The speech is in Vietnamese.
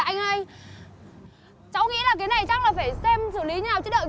anh ơi cháu nghĩ là cái này chắc là phải xem xử lý như nào